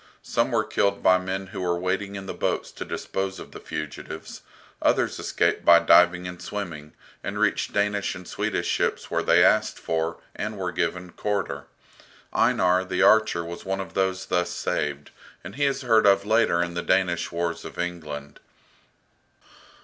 Some were killed by men who were waiting in boats to dispose of the fugitives, others escaped by diving and swimming, and reached Danish and Swedish ships where they asked for, and were given, quarter. Einar, the archer, was one of those thus saved, and he is heard of later in the Danish wars of England.